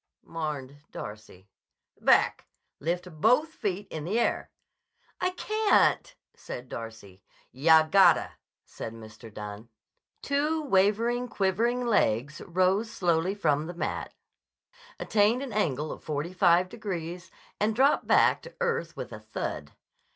mourned Darcy. "Back. Lift both feet in the air." "I can't!" said Darcy. "Yah gotta!" said Mr. Dunne. Two wavering, quivering legs rose slowly from the mat, attained an angle of forty five degrees, and dropped back to earth with a thud.